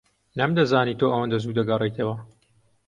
نەمدەزانی تۆ ئەوەندە زوو دەگەڕێیتەوە.